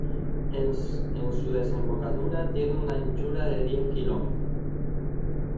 En su desembocadura tiene una anchura de diez kilómetros.